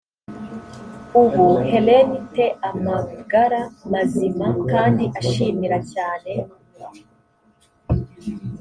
ubu helen te amagara mazima kandi ashimira cyane